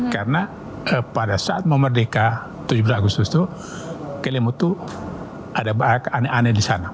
karena pada saat memerdeka tujuh belas agustus itu kelimutu ada banyak aneh aneh di sana